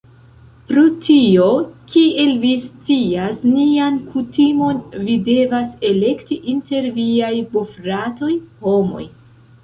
Pro tio, kiel vi scias nian kutimon vi devas elekti inter viaj bofratoj. Homoj?